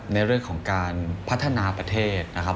ในเรื่องของการพัฒนาประเทศนะครับ